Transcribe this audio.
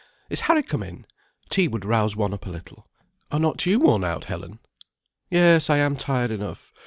Is Harry come in? Tea would rouse one up a little. Are not you worn out, Helen?" "Yes; I am tired enough.